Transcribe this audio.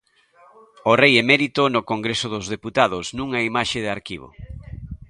O rei emérito no Congreso dos Deputados, nunha imaxe de arquivo.